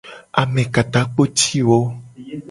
Amekatakpotiwo.